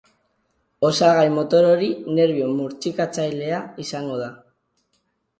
Osagai motor hori nerbio murtxikatzailea izango da.